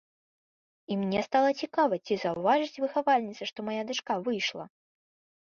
І мне стала цікава, ці заўважыць выхавальніца, што мая дачка выйшла.